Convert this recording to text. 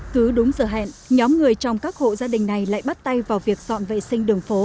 cứ đúng giờ hẹn nhóm người trong các hộ gia đình này lại bắt tay vào việc dọn vệ sinh đường phố